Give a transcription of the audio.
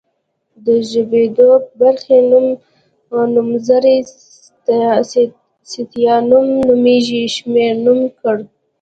د ژبدود برخې نوم، نومځری ستيانوم ، نوږی شمېرنوم کړ